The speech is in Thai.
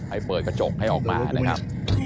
ให้เปิดกระจกให้ออกมานะครับ